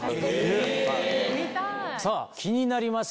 さぁ気になります